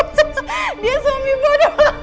kamu suami bodoh